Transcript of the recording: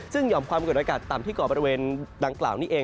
ซึ่งหอมความเกิดอากาศต่ำที่ก่อบริเวณดังกล่าวนี้เอง